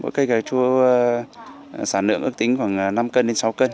mỗi cây cà chua sản lượng ước tính khoảng năm sáu cân